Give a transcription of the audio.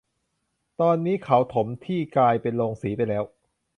ตอนนี้เค้าถมที่กลายเป็นโรงสีไปแล้ว